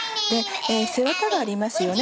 背ワタがありますよね